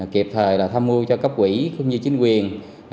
kịp thời tham mưu cho cấp quỹ cũng như chính quyền